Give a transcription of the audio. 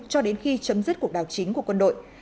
cho đến khi chấm dứt cuộc đảo chính của quân đội